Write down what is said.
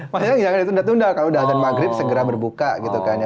maksudnya jangan ditunda tunda kalau udah dan maghrib segera berbuka gitu kan ya